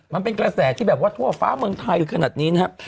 มันเป็นกระแสที่แบบว่าทั่วฟ้าเมืองไทยขนาดนี้นะครับ